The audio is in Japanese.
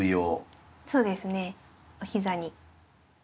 そうですねお膝に。